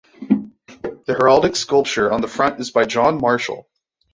The heraldic sculpture on the front is by John Marshall.